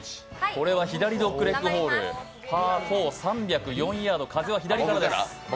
これは左ドッグレッグホールパー４、３０４ヤード、風は左からです。